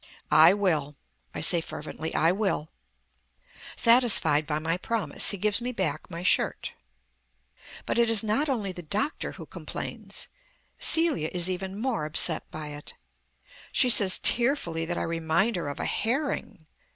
"I will," I say fervently, "I will." Satisfied by my promise he gives me back my shirt. But it is not only the doctor who complains; Celia is even more upset by it. She says tearfully that I remind her of a herring.